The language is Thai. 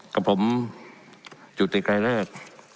กับผมอยู่ติกรายเลิก